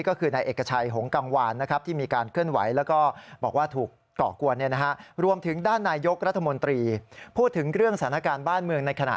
ก็คือนายเอกชัยหงกังวานที่มีการเคลื่อนไหว